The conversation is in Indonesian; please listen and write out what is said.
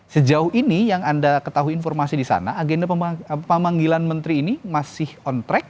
sejauh ini yang anda ketahui informasi di sana agenda pemanggilan menteri ini masih on track